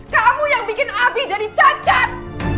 kamu yang bikin abi jadi cancat